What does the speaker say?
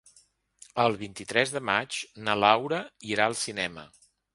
El vint-i-tres de maig na Laura irà al cinema.